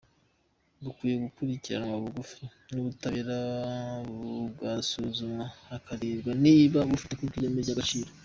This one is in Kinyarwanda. Bukwiye gukurikiranirwa bugufi n’ubutabera, bugasuzumwa hakarebwa niba bufite koko ireme n’agaciro.